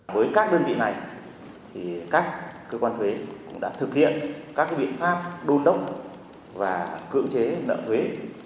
với các đơn vị này các cơ quan thuế cũng đã thực hiện các biện pháp đôn đốc và cưỡng chế nợ thuế